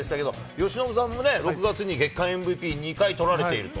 由伸さんもね、６月に月間ＭＶＰ、２回とられていると。